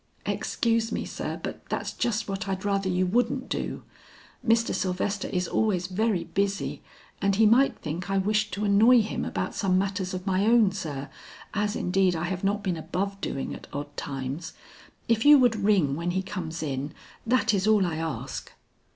"Excuse me, sir, but that's just what I'd rather you wouldn't do. Mr. Sylvester is always very busy and he might think I wished to annoy him about some matters of my own, sir, as indeed I have not been above doing at odd times. If you would ring when he comes in, that is all I ask."